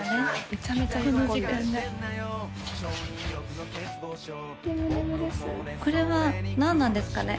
めちゃめちゃ喜んでるこれは何なんですかね？